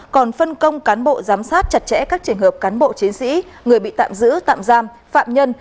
còn phân công cán bộ giám sát chặt chẽ các trường hợp cán bộ chiến sĩ người bị tạm giữ tạm giam phạm nhân